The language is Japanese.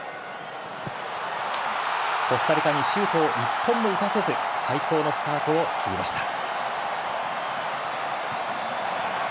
コスタリカにシュートを１本も打たせず最高のスタートを切りました。